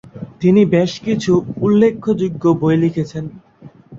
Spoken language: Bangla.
তিনি বেশকিছু উল্লেখযোগ্য বই লিখেছেন।